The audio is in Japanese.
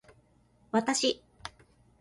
わたし